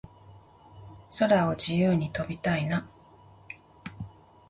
空を自由に飛びたいな